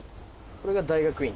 これが大学院？